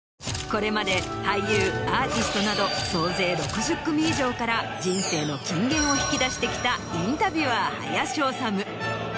これまで俳優アーティストなど総勢６０組以上から人生の金言を引き出してきたインタビュアー林修。